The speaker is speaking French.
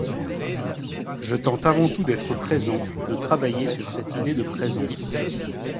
Je tente avant tout d’être présent, de travailler sur cette idée de présence.